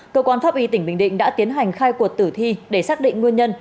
cơ quan pháp y tỉnh bình định đã tiến hành khai cuộc tử thi để xác định nguyên nhân